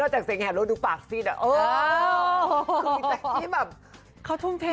เอ้ยนอกจากเสียงแหบแล้วดูปากสิดอ่ะโอ้ยมีแจ๊คกี้แบบเขาทุ่มเทน